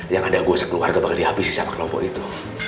yang ada gua sekeluarga bakal dihabisi siapa kelompok itu